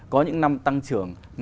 có những năm tăng trưởng